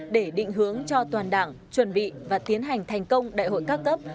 để định hướng cho toàn đảng chuẩn bị và tiến hành thành công đại hội các cấp